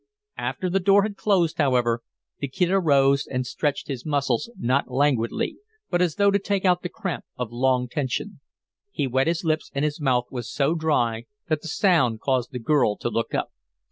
After the door had closed, however, the Kid arose and stretched his muscles, not languidly, but as though to take out the cramp of long tension. He wet his lips, and his mouth was so dry that the sound caused the girl to look up.